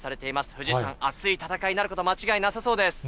藤井さん、熱い戦いになること間違いなさそうです。